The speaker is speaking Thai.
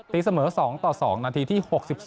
ตีเสมอ๒ต่อ๒นาทีที่๖๒